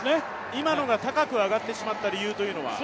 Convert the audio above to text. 今のが高く上がってしまった理由というのは？